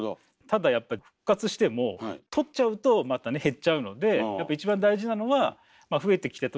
ただやっぱり復活しても取っちゃうとまたね減っちゃうのでやっぱ一番大事なのはちょっと我慢する。